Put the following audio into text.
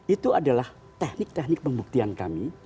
itu adalah teknik teknik pembuktian kami